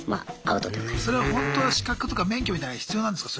それはホントは資格とか免許みたいの必要なんですか？